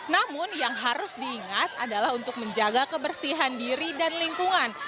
namun yang harus diingat adalah untuk menjaga kebersihan diri dan lingkungan